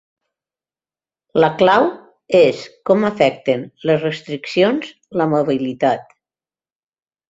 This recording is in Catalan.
La clau és com afecten les restriccions la mobilitat.